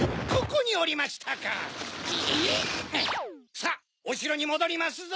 さぁおしろにもどりますぞ！